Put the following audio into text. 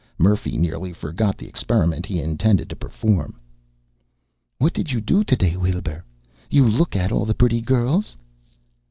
Murphy nearly forgot the experiment he intended to perform. "What did you do today, Weelbrrr? You look at all the pretty girls?"